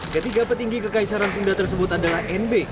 ketiga petinggi kekaisaran sunda tersebut adalah nb